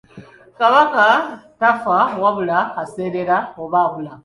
Kabaka tafa wabula aseerera oba abula.